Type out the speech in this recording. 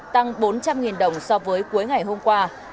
tăng bốn trăm linh đồng so với cuối ngày hôm qua